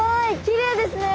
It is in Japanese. きれいですね！